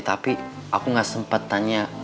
tapi aku gak sempat tanya